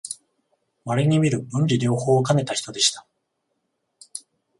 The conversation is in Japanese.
まれにみる文理両方をかねた人でした